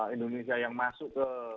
indonesia yang masuk